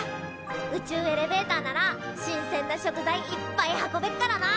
宇宙エレベーターならしんせんな食材いっぱい運べっからな！